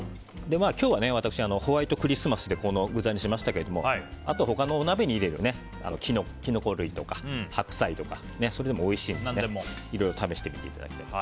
今日は私ホワイトクリスマスでこの具材にしましたけど他のお鍋に入れるキノコ類とか白菜とか、それでもおいしいのでいろいろ試してみたいただきたい。